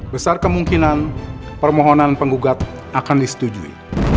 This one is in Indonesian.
besar kemungkinan permohonan penggugat akan disetujui